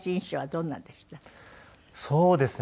そうですね。